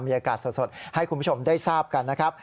มีอากาศสดให้คุณผู้ชมได้ทราบกันนะครับ